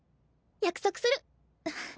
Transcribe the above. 約束する！